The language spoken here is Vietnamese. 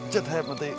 chất hẹp một tí